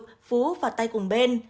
phú và tay cùng bên